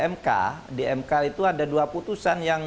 mk di mk itu ada dua putusan yang